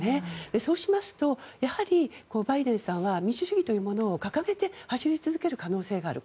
そうしますとバイデンさんはやはり民主主義というものを掲げて走り続ける可能性がある。